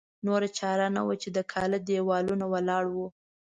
نوره چاره نه وه چې د کاله دېوالونه ولاړ وو.